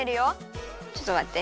ちょっとまって。